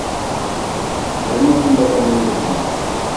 harimo nk’imboga n’imbuto